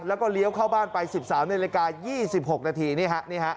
แล้วก็เลี้ยวเข้าบ้านไป๑๓นาฬิกา๒๖นาทีนี่ฮะ